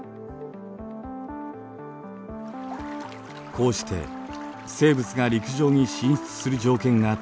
こうして生物が陸上に進出する条件が整いました。